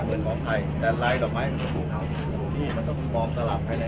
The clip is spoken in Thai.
เมืองอัศวินธรรมดาคือสถานที่สุดท้ายของเมืองอัศวินธรรมดา